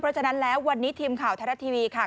เพราะฉะนั้นแล้ววันนี้ทีมข่าวไทยรัฐทีวีค่ะ